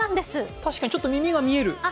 確かにちょっと耳が見える。